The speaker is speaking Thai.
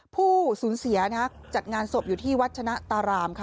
ผู้สูญเสียจัดงานศพอยู่ที่วัชนะตารามค่ะ